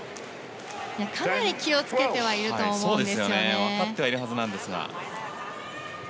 かなり気を付けてはいると思うんですよね。